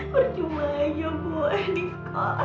percuma aja bu adik kok